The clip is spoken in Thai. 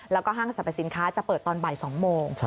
แล้วก็ห้างสรรพสินค้าจะเปิดตอนบ่าย๒โมง